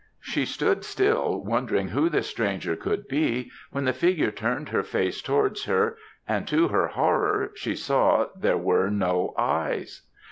She stood still, wondering who this stranger could be, when the figure turned her face towards her, and, to her horror, she saw there were no eyes.